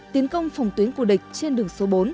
tiến công phòng tuyến của địch trên đường số bốn